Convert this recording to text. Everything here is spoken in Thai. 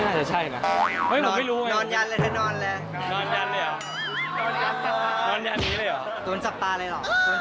เดี๋ยวเค้าจับตาก่อนนิดนึง